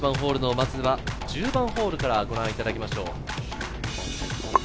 まずは１０番ホールからご覧いただきます。